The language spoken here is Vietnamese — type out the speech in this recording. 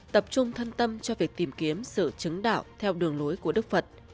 tâm tâm cho việc tìm kiếm sự chứng đảo theo đường lối của đức phật